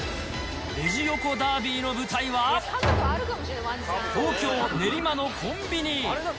レジ横ダービーの舞台は、東京・練馬のコンビニ。